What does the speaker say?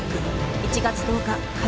１月１０日火曜